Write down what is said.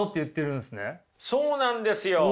そうなんですよ。